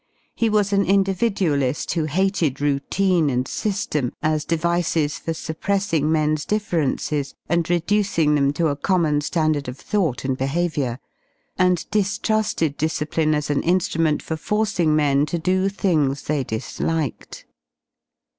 He was an individuali^ who hated routine and sy SI em as devices for suppressing men^s differences and reducing them to a common Standard of thought and behaviour y and distrusted dpsciplitu as an instrument for forcing men to do things they disliked.